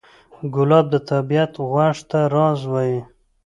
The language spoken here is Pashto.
ګلاب د طبیعت غوږ ته راز وایي.